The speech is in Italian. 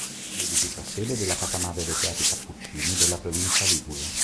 L'edificio è sede della casa madre dei frati cappuccini della Provincia Ligure.